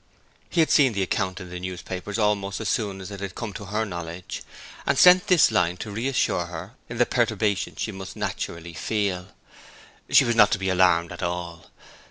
He had seen the account in the papers almost as soon as it had come to her knowledge, and sent this line to reassure her in the perturbation she must naturally feel. She was not to be alarmed at all.